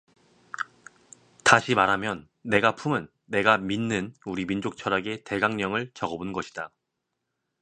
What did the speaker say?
다시 말하면 내가 품은, 내가 믿는 우리 민족철학의 대강령을 적어본 것이다.